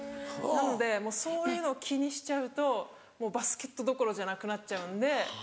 なのでそういうのを気にしちゃうともうバスケットどころじゃなくなっちゃうんで。